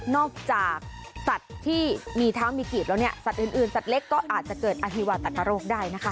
จากสัตว์ที่มีเท้ามีกีบแล้วเนี่ยสัตว์อื่นสัตว์เล็กก็อาจจะเกิดอฮิวาตกโรคได้นะคะ